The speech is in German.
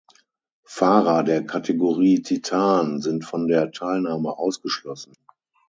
Fahrer der Kategorie "Titan" sind von der Teilnahme ausgeschlossen.